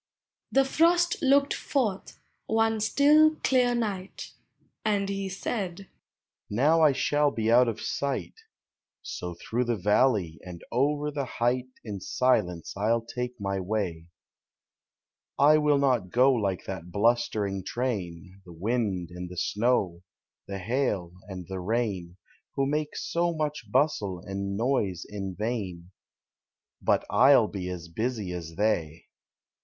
The Frost looked forth, one still, clear night. And he said, " Now I shall be out of sight; So through the valley and over the height In silence I '11 take mv wav. I will not go like that blustering train, The wind and the snow, the hail and the rain, Who make so much bustle and noise in vain, Hut 1 '11 be as busy as they!